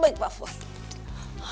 baik pak fuad